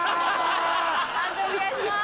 判定お願いします。